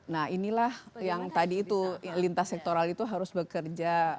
nah inilah yang tadi itu lintas sektoral itu harus bekerja